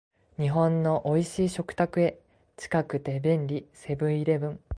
日本の美味しい食卓へ、近くて便利、セブンイレブン